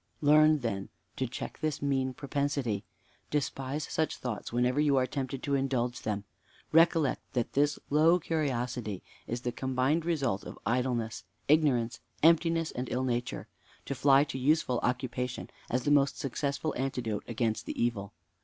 Learn, then, to check this mean propensity. Despise such thoughts whenever you are tempted to indulge them. Recollect that this low curiosity is the combined result of idleness, ignorance, emptiness, and ill nature; and fly to useful occupation, as the most successful antidote against the evil.